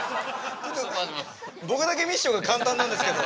僕だけミッションが簡単なんですけど。